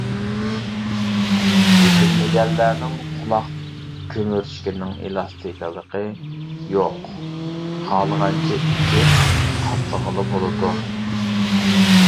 يېتىلمىگەنلەرنىڭ قۇلاق كۆمۈرچىكىنىڭ ئېلاستىكلىقى يوق، خالىغانچە ئېچىپ، قاتلىغىلى بولىدۇ.